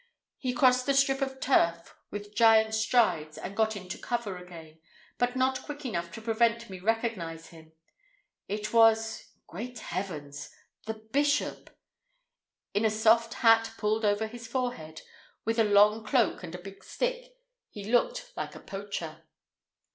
He crossed the strip of turf with giant strides and got into cover again, but not quick enough to prevent me recognizing him. It was—great heavens!—the bishop! In a soft hat pulled over his forehead, with a long cloak and a big stick, he looked like a poacher.